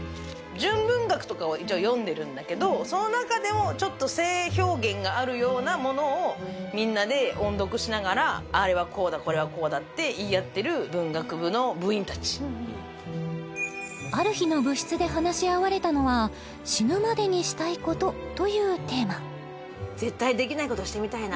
純文学とかを一応読んでるんだけどその中でもちょっと性表現があるようなものをみんなで音読しながらあれはこうだこれはこうだって言い合ってる文学部の部員たちある日の部室で話し合われたのは絶対できないことしてみたい